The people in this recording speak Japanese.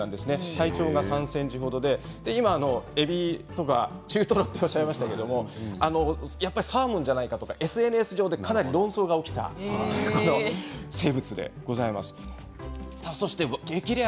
体長が３ｃｍ程で、今えびとか中とろとおっしゃいましたけどやっぱりサーモンじゃないかとかＳＮＳ上でかなり論争が起きたんです。